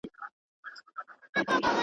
د گلونو مېلمنه یې ښاخلې ستا پر لور کږېږی ..